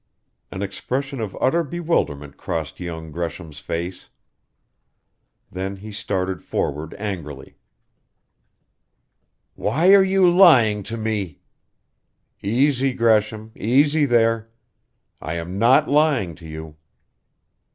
An expression of utter bewilderment crossed young Gresham's face. Then he started forward angrily: "Why are you lying to me " "Easy, Gresham easy there. I am not lying to you."